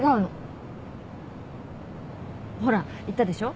ほら言ったでしょ？